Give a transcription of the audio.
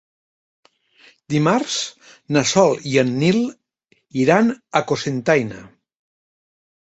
Dimarts na Sol i en Nil iran a Cocentaina.